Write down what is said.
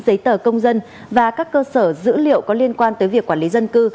giấy tờ công dân và các cơ sở dữ liệu có liên quan tới việc quản lý dân cư